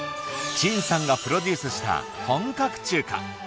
陳さんがプロデュースした本格中華。